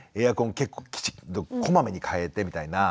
結構きちっとこまめに変えてみたいな。